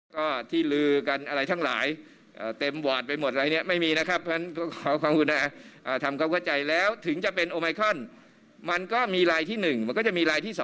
ไปดูปฏิกิริยาของท่านนายกฎาบนตรี